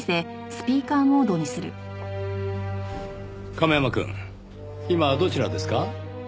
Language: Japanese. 亀山くん今どちらですか？